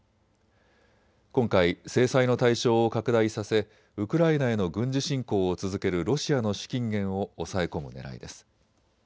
今回、制裁の対象を拡大させウクライナへの軍事侵攻を続けるロシアの資金源を押さえ込むねらいです。